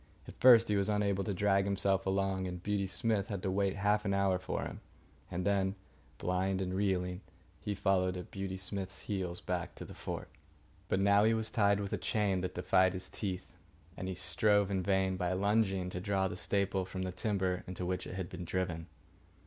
At first he was unable to drag himself along, and Beauty Smith had to wait half an hour for him. And then, blind and reeling, he followed at Beauty Smith's heels back to the fort. But now he was tied with a chain that defied his teeth, and he strove in vain, by lunging, to draw the staple from the timber into which it was driven.